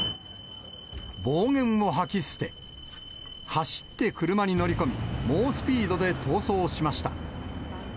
暴言を吐き捨て、走って車に乗り込み、猛スピードで逃走しました。